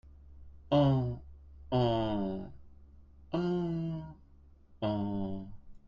En … en … en … en …